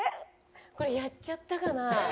これやっちゃったかな？